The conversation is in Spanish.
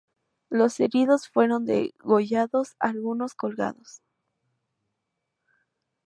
Los heridos fueron degollados, algunos colgados.